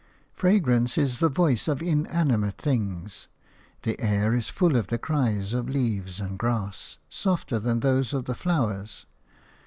Fragrance is the voice of inanimate things. The air is full of the cries of leaves and grass, softer than those of the flowers.